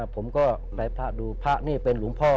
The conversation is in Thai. ผมก็ไปพระดูพระนี่เป็นหลวงพ่อ